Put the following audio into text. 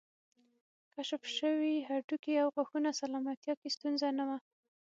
کشف شوي هډوکي او غاښونه سلامتیا کې ستونزه نه وه